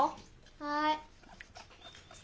はい。